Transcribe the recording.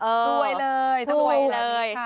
สวยเลยสวยเลย